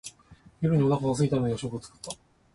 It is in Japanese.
夜にお腹がすいたので夜食を作った。